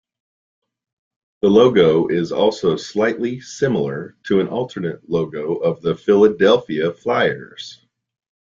The logo is also slightly similar to an alternate logo of the Philadelphia Flyers.